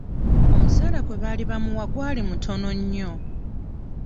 Omusaala gwe baali bamuwa gwali mutono nnyo.